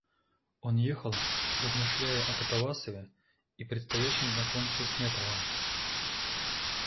Он ехал, размышляя о Катавасове и предстоящем знакомстве с Метровым.